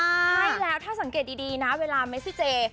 ใช่แล้วถ้าสังเกตดีนะเวลาเมซิเจ